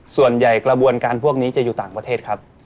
กระบวนการพวกนี้จะอยู่ต่างประเทศครับ